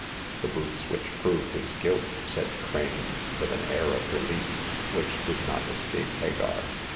" The boots which prove his guilt," said Crane, with an air of reUef, which did not escape Hagar.